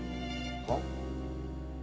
はっ。